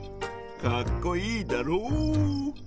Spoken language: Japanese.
かっこいいだろう？